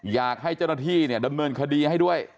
อยากให้เจ้าหน้าที่เนี่ยดำเนินคดีให้ด้วย